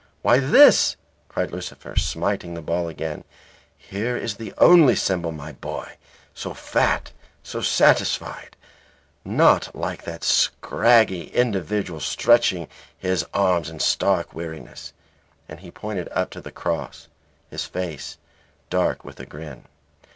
"Why this," cried Lucifer, smiting the ball again, "here is the only symbol, my boy. So fat. So satisfied. Not like that scraggy individual, stretching his arms in stark weariness." And he pointed up to the cross, his face dark with a grin.